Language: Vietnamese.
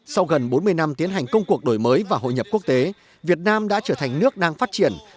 sau gần bốn mươi năm tiến hành công cuộc đổi mới và hội nhập quốc tế việt nam đã trở thành nước đang phát triển